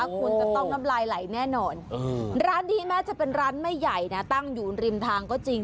คุณจะต้องน้ำลายไหลแน่นอนร้านนี้แม้จะเป็นร้านไม่ใหญ่นะตั้งอยู่ริมทางก็จริง